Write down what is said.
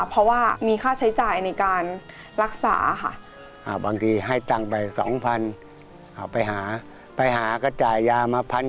เพราะว่ามีค่าใช้จ่ายในการรักษาค่ะ